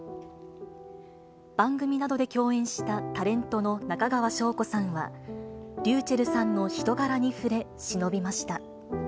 番組などで共演したタレントの中川翔子さんは、ｒｙｕｃｈｅｌｌさんの人柄に触れ、しのびました。